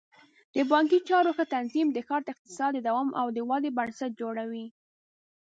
د بانکي چارو ښه تنظیم د ښاري اقتصاد د دوام او ودې بنسټ جوړوي.